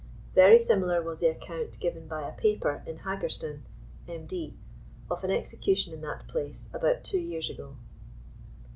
Very similar was the account given by a paper in Hagerstown, Md., of an e^^ecution in that place, about two years ago.